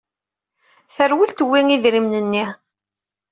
Terwel, tewwi idrimen-nni.